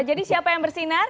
jadi siapa yang bersinar